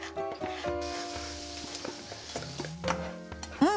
うん！